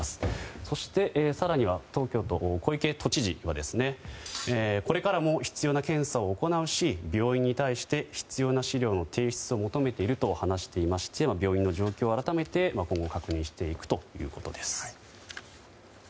そして、更には東京都小池都知事はこれからも必要な検査を行うし、病院に対して必要な資料の提出を求めていると話していまして病院の状況を改めて今後確認していくということです。